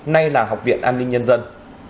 nay là học viện an ninh nhân dân